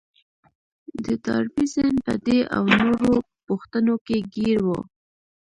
د ډاربي ذهن په دې او نورو پوښتنو کې ګير و.